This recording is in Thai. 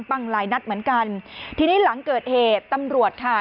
หลายนัดเหมือนกันทีนี้หลังเกิดเหตุตำรวจค่ะ